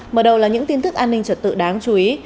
mở đầu là những tin tức an ninh trật tự đáng chú ý